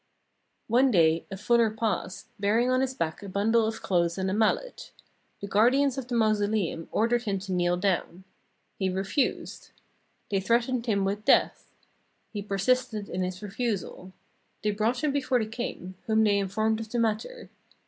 " One day a fuller passed, bearing on his back a bundle of clothes and a mallet. The guardians of the mausoleum ordered him to kneel down. He refused. They threatened him with death. He persisted in his refusal. They brought him before the king, whom they informed of the matter.